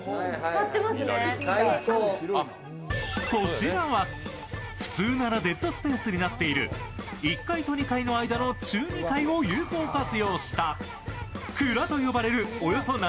こちらは普通ならデッドスペースになっている１階と２階の間の中２階を有効活用した蔵と呼ばれるおよそ